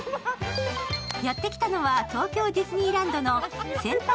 やって来たのは東京ディズニーランドのセンター